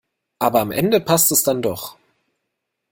Aber am Ende passt es dann doch.